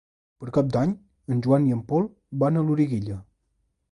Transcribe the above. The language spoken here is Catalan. Per Cap d'Any en Joan i en Pol van a Loriguilla.